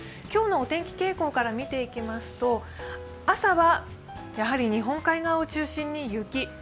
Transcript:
今日のお天気傾向から見ていきますと、朝はやはり日本海側を中心に雪。